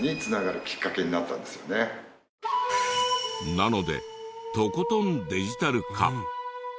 なのでとことんデジタル化。